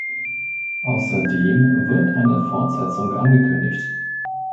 Außerdem wird eine Fortsetzung angekündigt.